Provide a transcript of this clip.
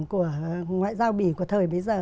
của ngoại giao bỉ của thời bây giờ